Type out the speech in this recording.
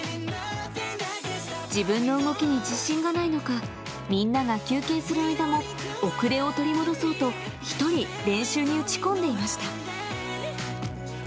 自分の動きに自信がないのか、みんなが休憩する間も遅れを取り戻そうと、１人練習に打ち込んでいました。